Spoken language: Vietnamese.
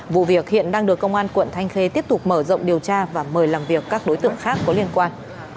vụ việc hiện đang được công an quận thanh khê tiếp tục mở rộng điều tra và mời làm việc các đối tượng khác có liên quan